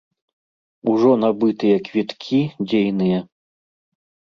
Ужо набытыя квіткі дзейныя.